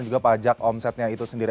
juga pajak omsetnya itu sendiri